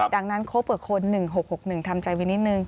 ดังนั้นคบกับคน๑๖๖๑ทำใจไว้นิดนึง